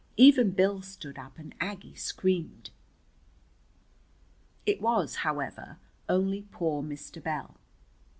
Even Bill stood up, and Aggie screamed. It was, however, only poor Mr. Bell.